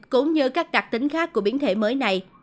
cũng như các đặc tính khác của biến thể mới này